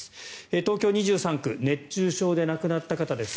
東京２３区熱中症で亡くなった方です。